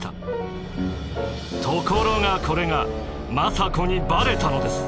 ところがこれが政子にバレたのです。